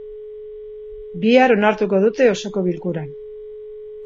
Bihar onartuko dute osoko bilkuran.